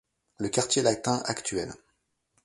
Le quartier Latin actuel.